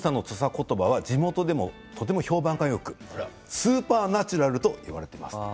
言葉は地元でも評判がよくスーパーナチュラルと言われています。